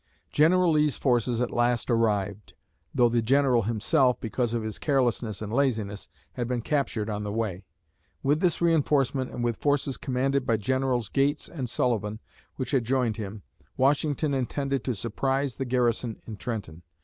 General Lee's forces at last arrived, though the General himself, because of his carelessness and laziness, had been captured on the way. With this reënforcement and with forces commanded by Generals Gates and Sullivan, which had joined him, Washington intended to surprise the garrison in Trenton.